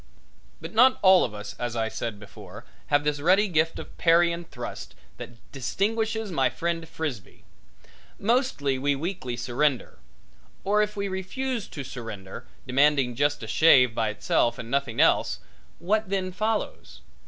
But not all of us, as I said before, have this ready gift of parry and thrust that distinguishes my friend Frisbee. Mostly we weakly surrender. Or if we refuse to surrender, demanding just a shave by itself and nothing else, what then follows?